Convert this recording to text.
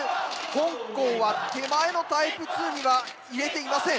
香港は手前のタイプ２には入れていません。